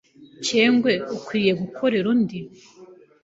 cyengwe ukwiye gukorere undi.